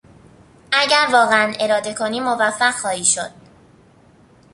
اگر واقعا اراده کنی موفق خواهی شد.